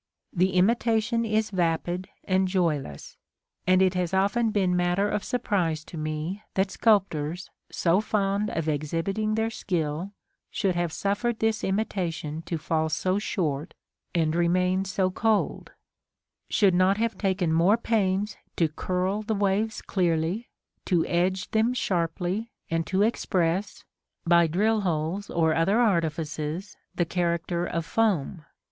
The imitation is vapid and joyless, and it has often been matter of surprise to me that sculptors, so fond of exhibiting their skill, should have suffered this imitation to fall so short, and remain so cold, should not have taken more pains to curl the waves clearly, to edge them sharply, and to express, by drill holes or other artifices, the character of foam.